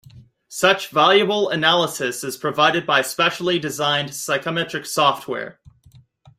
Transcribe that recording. Such valuable analysis is provided by specially-designed psychometric software.